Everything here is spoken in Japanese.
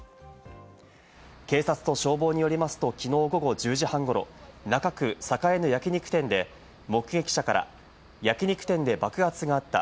警察と消防によりますときのう午後１０時半ごろ、中区栄の焼き肉店で目撃者から焼き肉店で爆発があった。